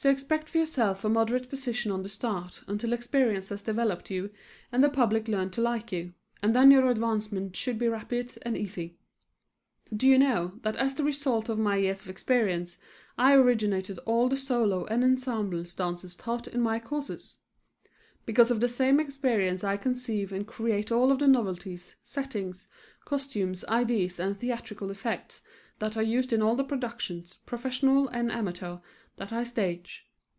So expect for yourself a moderate position on the start until experience has developed you and the public learned to like you, and then your advancement should be rapid and easy. Do you know that as the result of my years of experience I originated all the solo and ensemble dances taught in my courses? Because of the same experience I conceive and create all of the novelties, settings, costumes, ideas and theatrical effects that are used in all the productions, professional and amateur, that I stage.